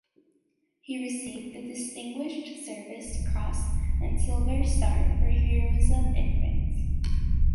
He received the Distinguished Service Cross and Silver Star for heroism in France.